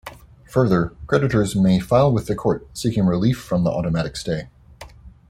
Further, creditors may file with the court seeking relief from the automatic stay.